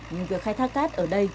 nhưng việc khai thác cát ở đây